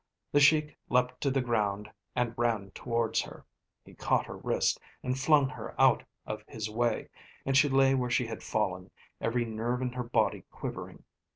The Sheik leaped to the ground and ran towards her. He caught her wrist and flung her out of his way, and she lay where she had fallen, every nerve in her body quivering.